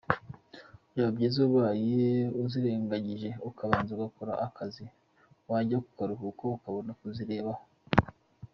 Byaba byiza ubaye uzirengagije ukabanza ugakora akazi wajya mu karuhuko ukabona kuzirebaho.